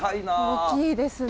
大きいですね。